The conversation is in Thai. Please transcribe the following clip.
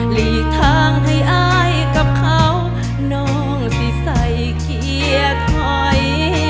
หลีกทางให้อายกับเขาน้องสิใส่เคลียร์ถอย